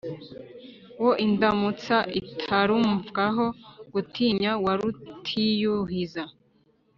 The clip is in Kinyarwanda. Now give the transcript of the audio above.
wo indamutsa itarumvwaho gutinya wa rutiyuhiza